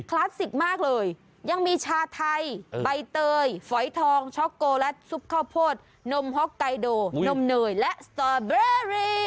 ลาสสิกมากเลยยังมีชาไทยใบเตยฝอยทองช็อกโกแลตซุปข้าวโพดนมฮ็อกไกโดนมเนยและสตอเบอรี่